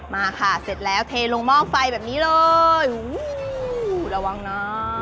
มาค่ะเสร็จแล้วเทลงมองไฟแบบนี้เลยอู้วระวังนะ